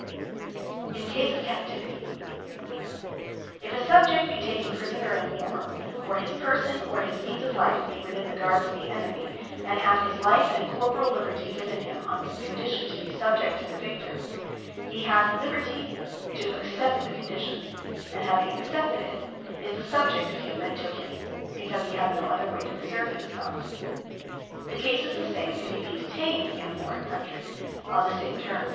In Case Of Captivity If a Subject be taken prisoner in war; or his person, or his means of life be within the Guards of the enemy, and hath his life and corporall Libertie given him, on condition to be Subject to the Victor, he hath Libertie to accept the condition; and having accepted it, is the subject of him that took him; because he had no other way to preserve himselfe. The case is the same, if he be deteined on the same termes, in a forreign country.